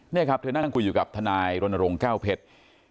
นี่ครับเธอนั่งคุยอยู่กับทนายรณรงค์แก้วเพชร